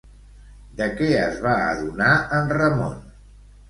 De què es va adonar en Ramon?